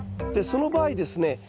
でその場合ですね